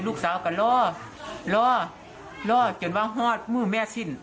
ลูกสาวกันโหดโหดซึ่งว่างฮอตภูมิแม่สิน